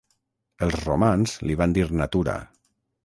Els romans li van dir Natura.